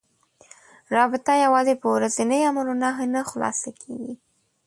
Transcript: رابطه یوازې په ورځنيو امر و نهيو نه خلاصه کېږي.